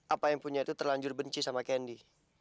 apa yang punya itu terlanjur benci sama kendi